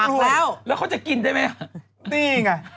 เนี่ยเขาตัดทิ้งไปแล้วนะ